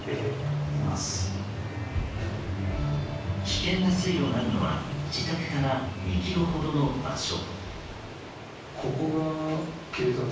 危険な水路があるのは自宅から２ｋｍほどの場所。